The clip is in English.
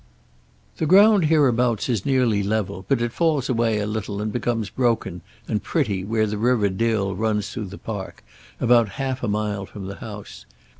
The ground hereabouts is nearly level, but it falls away a little and becomes broken and pretty where the river Dill runs through the park, about half a mile from the house.